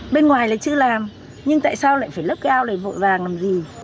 bên ngoài là chưa làm nhưng tại sao lại phải lấp ao này vội vàng làm gì